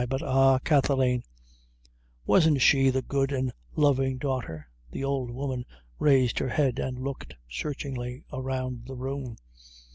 But, ah! Kathleen, wasn't she the good an' the lovin' daughter?" The old woman raised her head, and looked searchingly around the room.